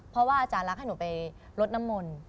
เพราะว่าอาจารย์รักให้หนูไปลดน้ำมนต์